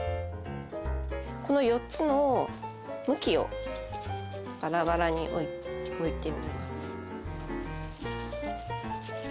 この４つの向きをバラバラに置いてみます。